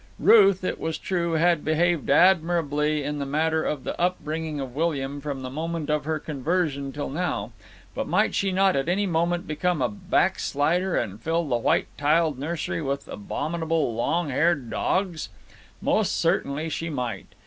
Ruth, it was true, had behaved admirably in the matter of the upbringing of William from the moment of her conversion till now, but might she not at any moment become a backslider and fill the white tiled nursery with abominable long haired dogs? Most certainly she might.